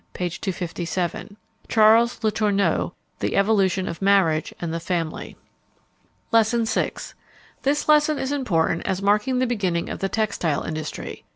p. 257. Ch. Letourneau, The Evolution of Marriage and the Family. Lesson VI. This lesson is important as marking the beginning of the textile industry.